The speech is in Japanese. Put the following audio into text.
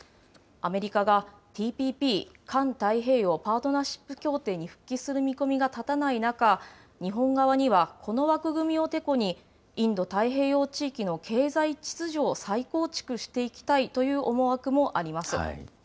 アメリカがＴＰＰ・環太平洋パートナーシップ協定に復帰する見込みが立たない中、日本側にはこの枠組みをテコに、インド太平洋地域の経済秩序を再構築していきたいという思惑もあります。